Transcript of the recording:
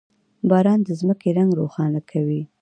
• باران د ځمکې رنګ روښانه کوي.